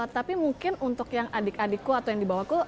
tapi mungkin untuk yang adik adikku atau yang dibawaku